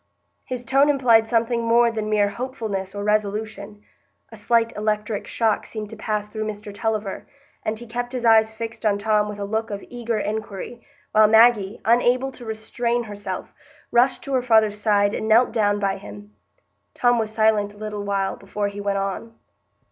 His tone implied something more than mere hopefulness or resolution. A slight electric shock seemed to pass through Mr Tulliver, and he kept his eyes fixed on Tom with a look of eager inquiry, while Maggie, unable to restrain herself, rushed to her father's side and knelt down by him. Tom was silent a little while before he went on.